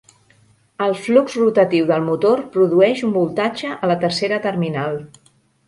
El flux rotatiu del motor produeix un voltatge a la tercera terminal.